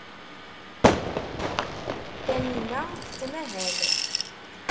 Taninna tettmahal.